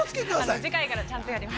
◆次回からちゃんとやります。